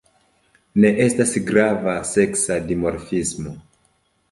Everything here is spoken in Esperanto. Ne estas grava seksa dimorfismo.